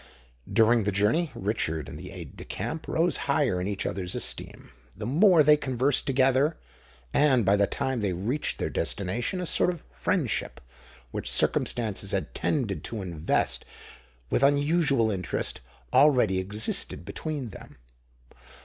During the journey Richard and the aide de camp rose higher in each other's esteem, the more they conversed together; and by the time they reached their destination, a sort of friendship, which circumstances had tended to invest with unusual interest, already existed between them.